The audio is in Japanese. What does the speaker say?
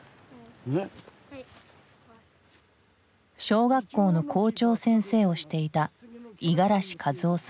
小学校の校長先生をしていた五十嵐和雄さん。